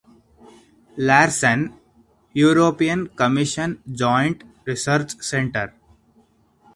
Larsson (European Commission Joint Research Centre).